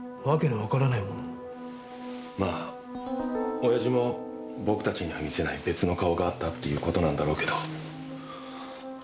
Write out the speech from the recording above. まあ親父も僕たちには見せない別の顔があったっていう事なんだろうけど。